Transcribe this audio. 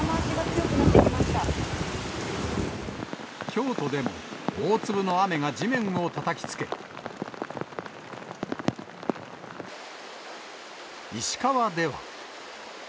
京都でも大粒の雨が地面をたたきつけ、石川では。